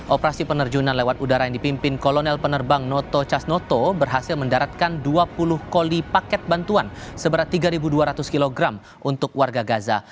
operasi penerjunan lewat udara yang dipimpin kolonel penerbang noto casnoto berhasil mendaratkan dua puluh koli paket bantuan seberat tiga dua ratus kg untuk warga gaza